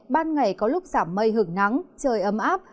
ban ngày có lúc giảm mây hứng nắng trời ấm áp